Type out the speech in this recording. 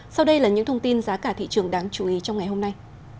sau đây là những thông tin giá cả thị trường đáng chú ý trong ngày hôm nay